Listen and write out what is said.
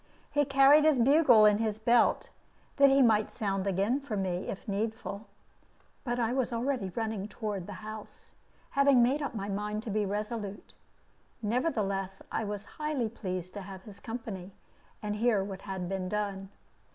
He carried his bugle in his belt, that he might sound again for me, if needful. But I was already running toward the house, having made up my mind to be resolute. Nevertheless, I was highly pleased to have his company, and hear what had been done.